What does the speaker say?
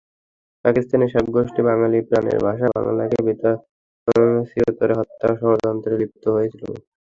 পাকিস্তানি শাসকগোষ্ঠী বাঙালির প্রাণের ভাষা বাংলাকে চিরতরে হত্যার ষড়যন্ত্রে লিপ্ত হয়েছিল।